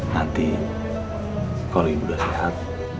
nanti kalau ibu sudah sehat